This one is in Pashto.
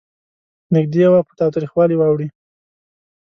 نږدې وه په تاوتریخوالي واوړي.